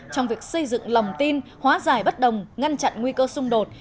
trong việc xây dựng lòng tin hóa giải bất đồng ngăn chặn nguy cơ xung đột